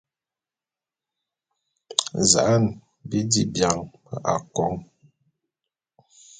Za'an bi dí bian akôn.